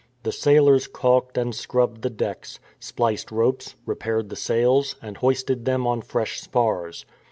The sailors caulked and scrubbed the decks, spliced ropes, repaired the sails, and hoisted them on fresh spars.